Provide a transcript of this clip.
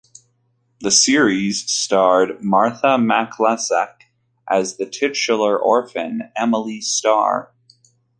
The series starred Martha MacIsaac as the titular orphan Emily Starr.